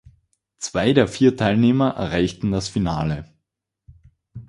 Zwei der vier Teilnehmer erreichten das Finale.